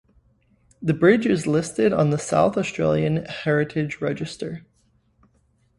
The bridge is listed on the South Australian Heritage Register.